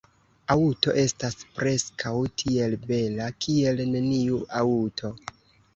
Aŭto estas preskaŭ tiel bela kiel neniu aŭto.